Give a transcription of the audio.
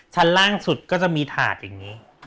ชั้นล่างสุดก็จะมีถาดอย่างนี้